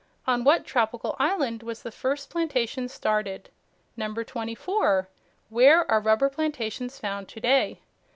On what tropical island was the first plantation started? 24. Where are rubber plantations found to day?